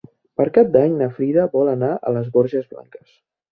Per Cap d'Any na Frida vol anar a les Borges Blanques.